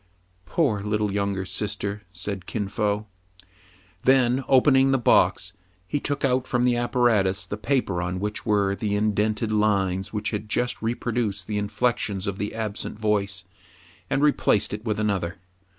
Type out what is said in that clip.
" Poor little younger sister !'* said Kin Fo. Then, opening the box, he took out from the apparatus the paper on which were the indented lines which had just reproduced the inflections of the absent voice, and replaced it with another.